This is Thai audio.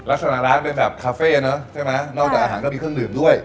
ลักษณะร้านเป็นแบบคาเฟ่นะนอกจากอาหารมีเครื่องลืมด้วย